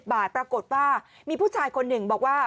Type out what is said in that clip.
บาทปรากฏว่ามีผู้ชายคนหนึ่งบอกว่า